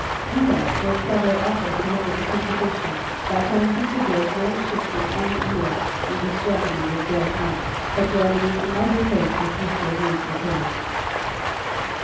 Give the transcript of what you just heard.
England made several offers to limit the competition by promising to build no ships in any year in which Germany would build none, but Germany in every case refused to agree to the plan.